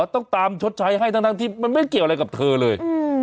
ต้องตามชดใช้ให้ทั้งที่มันไม่เกี่ยวอะไรกับเธอเลย